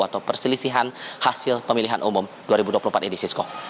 atau perselisihan hasil pemilihan umum dua ribu dua puluh empat ini sisko